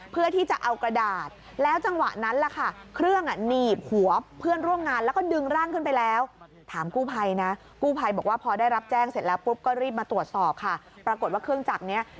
เพื่อที่จะเอากระดาษแล้วจังหวะนั้นล่ะค่ะ